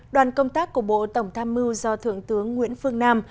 đoàn công tác của bộ tổng tham mưu do thượng tướng nguyễn phương nam